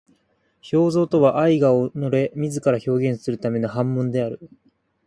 表象とは愛が己れ自ら表現するための煩悶である。